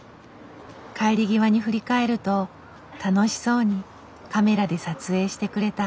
帰り際に振り返ると楽しそうにカメラで撮影してくれた。